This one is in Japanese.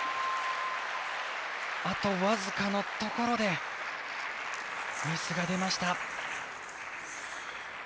あとわずかのところでミスが出ました。